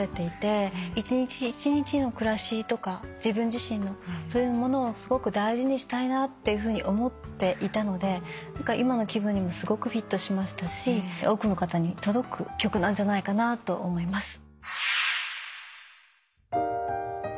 一日一日の暮らしとか自分自身のそういうものをすごく大事にしたいなって思っていたので今の気分にもすごくフィットしましたし多くの方に届く曲なんじゃないかなと思います。